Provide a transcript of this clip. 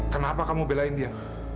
kenapa kamu belain dia